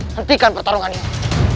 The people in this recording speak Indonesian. hentikan pertarungan ini